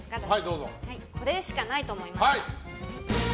これしかないと思いました。